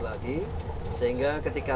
lagi sehingga ketika